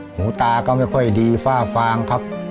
หูตาก็ไม่ค่อยดีฝ้าฟางครับ